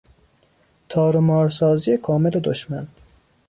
تارومار سازی کامل دشمن